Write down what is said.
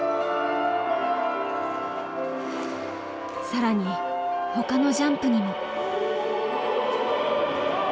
更にほかのジャンプにも。